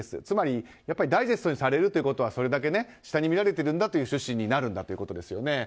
つまりダイジェストにされるってことはそれだけ下に見られてるんだという趣旨になるんだということです。